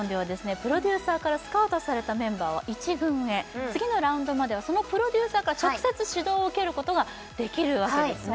プロデューサーからスカウトされたメンバーは１軍へ次のラウンドまではそのプロデューサーから直接指導を受けることができるわけですね